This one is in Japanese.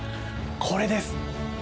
これです。